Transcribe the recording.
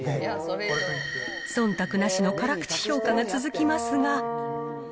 そんたくなしの辛口評価が続きますが。